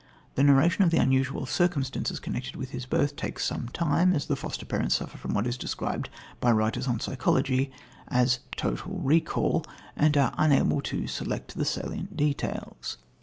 The narration of the unusual circumstances connected with his birth takes some time, as the foster parents suffer from what is described by writers on psychology as "total recall," and are unable to select the salient details.